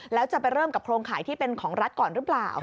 แล้วจะไปเริ่มกับโครงข่ายที่เป็นของรัฐก่อนหรือเปล่า